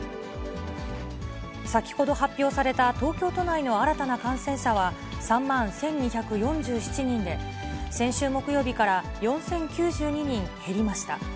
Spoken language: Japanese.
先ほど発表された東京都内の新たな感染者は、３万１２４７人で、先週木曜日から４０９２人減りました。